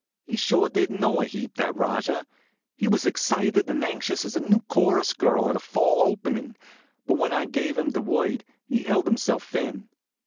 He sure did know a heap, that Rajah. He was as excited and anxious as a new chorus girl at a fall opening; but when I gave him the word he held himself in.